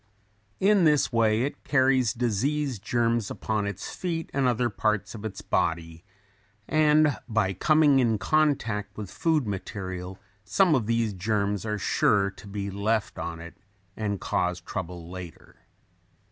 In this way it carries disease germs upon its feet and other parts of its body and by coming in contact with food material some of these germs are sure to be left on it and cause trouble later.